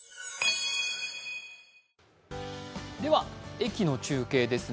駅の中継ですね。